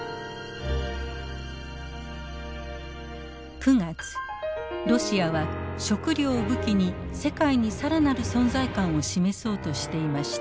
９月ロシアは食料を武器に世界に更なる存在感を示そうとしていました。